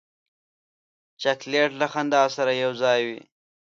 چاکلېټ له خندا سره یو ځای وي.